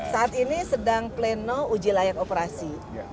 saat ini sedang pleno uji layak operasi